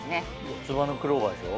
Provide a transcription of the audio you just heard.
四つ葉のクローバーでしょ？